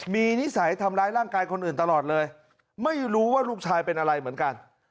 มีนิสัยทำร้ายร่างกายคนอื่นตลอดเลยไม่รู้ว่าลูกชายเป็นอะไรเหมือนกัน